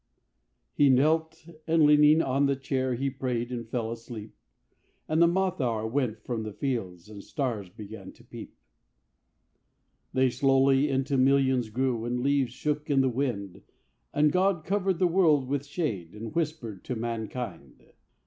He knelt, and leaning on the chair He prayed and fell asleep; And the moth hour went from the fields, And stars began to peep. They slowly into millions grew, And leaves shook in the wind; And God covered the world with shade, And whispered to mankind.